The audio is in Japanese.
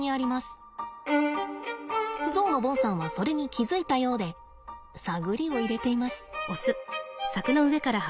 ゾウのボンさんはそれに気付いたようで探りを入れています。